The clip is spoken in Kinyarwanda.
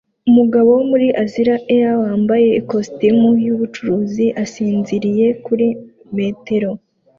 Umugabo wo muri Aziya wambaye ikositimu yubucuruzi asinziriye kuri metero